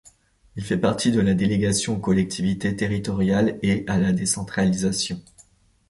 Il fait partie de la délégation aux collectivités territoriales et à la décentralisation.